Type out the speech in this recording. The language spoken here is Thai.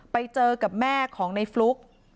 ไปเจอกับแม่ของในฟลุ๊ก